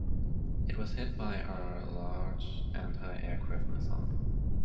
It was hit by our Igla anti-aircraft missile.